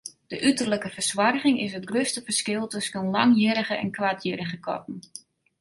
De uterlike fersoarging is it grutste ferskil tusken langhierrige en koarthierrige katten.